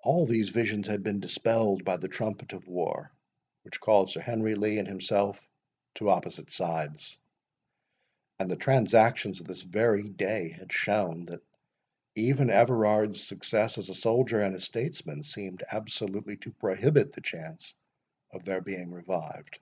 All these visions had been dispelled by the trumpet of war, which called Sir Henry Lee and himself to opposite sides; and the transactions of this very day had shown, that even Everard's success as a soldier and a statesman seemed absolutely to prohibit the chance of their being revived.